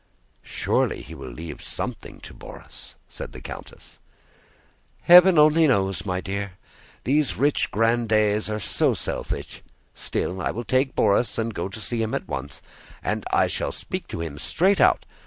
"Surely he will leave something to Borís," said the countess. "Heaven only knows, my dear! These rich grandees are so selfish. Still, I will take Borís and go to see him at once, and I shall speak to him straight out.